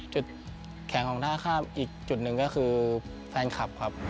จุดแข็งของท่าข้ามอีกจุดหนึ่งก็คือแฟนคลับครับ